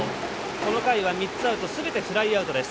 この回は３つアウトすべてフライアウトです。